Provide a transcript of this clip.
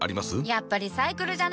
やっぱリサイクルじゃね？